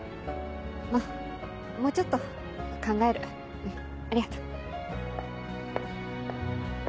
まっもうちょっと考えるありがとう。